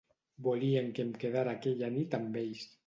Volien que em quedara aquella nit amb ells.